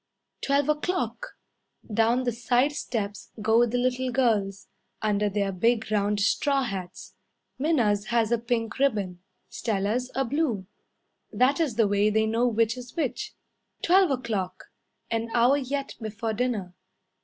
Twelve o'clock! Down the side steps Go the little girls, Under their big round straw hats. Minna's has a pink ribbon, Stella's a blue, That is the way they know which is which. Twelve o'clock! An hour yet before dinner.